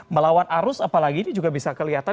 melawan arus apalagi ini juga bisa kelihatan